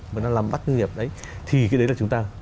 người ta làm bắt doanh nghiệp đấy thì cái đấy là chúng ta